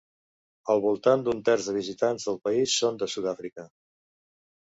Al voltant d'un terç dels visitants del país són de Sud-àfrica.